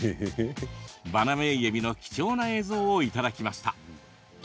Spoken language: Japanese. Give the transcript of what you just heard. バナメイエビの貴重な映像をいただきました。